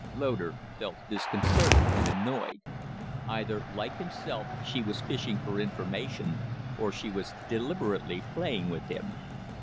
Loder felt disconcerted and annoyed. Either, like himself, she was fishing for information, or she was deliberately playing with him.